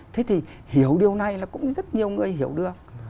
thế thì hiểu điều này là cũng rất nhiều người hiểu được